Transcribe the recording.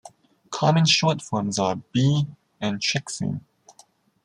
Common short forms are "Bea" and "Trixie".